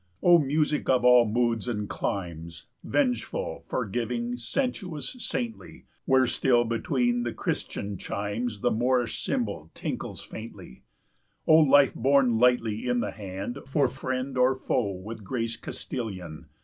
"O music of all moods and climes, Vengeful, forgiving, sensuous, saintly, Where still, between the Christian chimes, 55 The moorish cymbal tinkles faintly! "O life borne lightly in the hand, For friend or foe with grace Castilian!